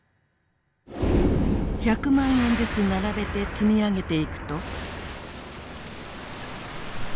１００万円ずつ並べて積み上げていくと。